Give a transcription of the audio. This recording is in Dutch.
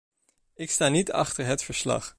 Ik sta niet achter het verslag.